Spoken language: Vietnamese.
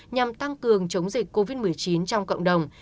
nhằm tăng cường chống dịch covid một mươi chín trong cộng đồng